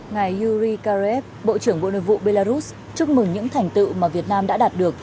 ngài yuri kareev bộ trưởng bộ nội vụ belarus chúc mừng những thành tựu mà việt nam đã đạt được